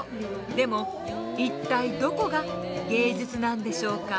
でも一体どこが「芸術」なんでしょうか？